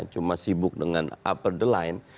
cuma sibuk dengan upper the line